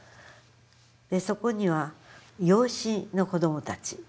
そこには養子の子どもたち。